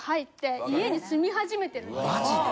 マジで？